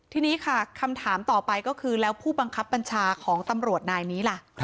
ทีนี้ค่ะคำถามต่อไปก็คือแล้วผู้บังคับบัญชาของตำรวจนายนี้ล่ะ